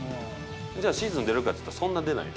じゃあ、シーズン出るかっていったらそんな出ない。